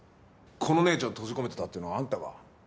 この姉ちゃん閉じ込めてたってのはあんたか？